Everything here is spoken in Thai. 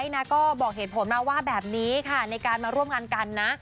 ในการมาร่วมงานกันนะ